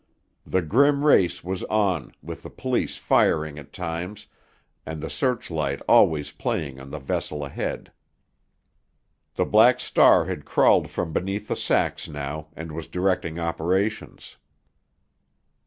The grim race was on, with the police firing at times, and the searchlight always playing on the vessel ahead. The Black Star had crawled from beneath the sacks now, and was directing operations.